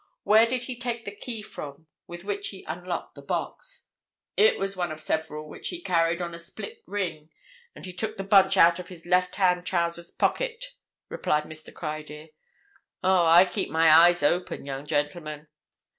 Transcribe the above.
"Where did he take the key from with which he unlocked the box?" "It was one of several which he carried on a split ring, and he took the bunch out of his left hand trousers pocket," replied Mr. Criedir. "Oh, I keep my eyes open, young gentleman!